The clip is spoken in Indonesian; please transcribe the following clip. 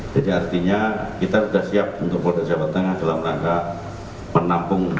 jadi artinya kita sudah siap untuk polda jawa tengah dalam rangka menampung